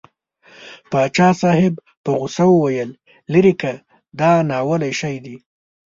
پاچا صاحب په غوسه وویل لېرې که دا ناولی شی دی.